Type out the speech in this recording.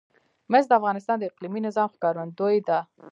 مس د افغانستان د اقلیمي نظام ښکارندوی ده.